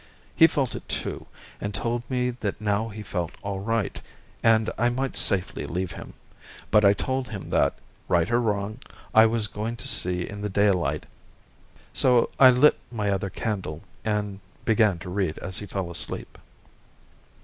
He felt it, too, and told me that now he felt all right, and I might safely leave him; but I told him that, right or wrong, I was going to see in the daylight. So I lit my other candle, and began to read as he fell asleep.